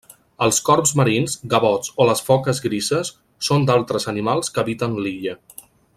Els corbs marins, gavots o les foques grises són d'altres animals que habiten l'illa.